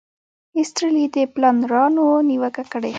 ایسټرلي د پلانرانو نیوکه کړې.